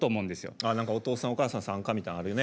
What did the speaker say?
何かお父さんお母さん参加みたいなのあるね。